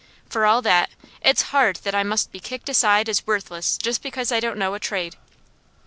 For all that, it's hard that I must be kicked aside as worthless just because I don't know a trade.